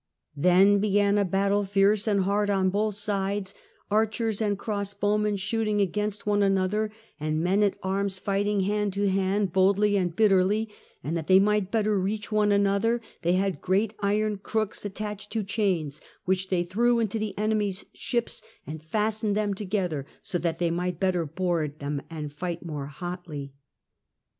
"Then began a battle fierce Battle of and hard on both sides, archers and crossbowmen shoot '"^■''' ing against one another, and men at arms fighting hand to hand boldly and bitterly : and that they might better reach one another they had great iron crooks attached to chains, which they threw into the enemy's ships and fastened them together, so that they might better board them and fight more hotly."